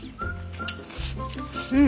うん。